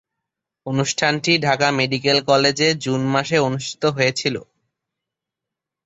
অনুষ্ঠানটি ঢাকা মেডিকেল কলেজে জুন মাসে অনুষ্ঠিত হয়েছিলো।